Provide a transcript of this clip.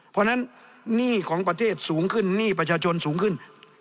เพราะฉะนั้นหนี้ของประเทศสูงขึ้นหนี้ประชาชนสูงขึ้น